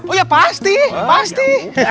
oh ya pasti pasti